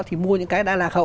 thì mua những cái đã lạc hậu